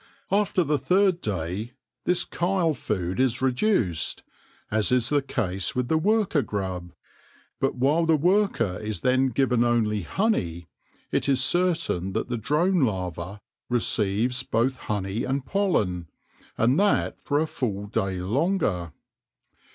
After the third day this chyle food is reduced, as is the case with the worker grub ; but while the worker is then given only honey, it is certain that the drone larva receives both honey and pollen, and that for a full day longer.